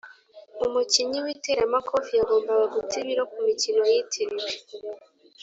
umukinnyi w'iteramakofe yagombaga guta ibiro kumikino yitiriwe.